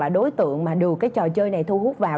đối tượng mà được cái trò chơi này thu hút vào